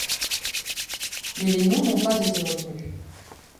Mais les noms n'ont pas été retenus.